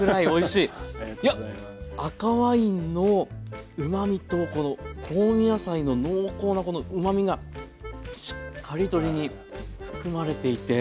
いや赤ワインのうまみとこの香味野菜の濃厚なこのうまみがしっかり鶏に含まれていて。